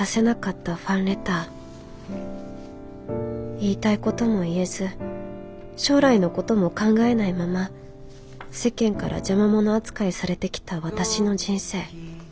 言いたいことも言えず将来のことも考えないまま世間から邪魔者扱いされてきた私の人生。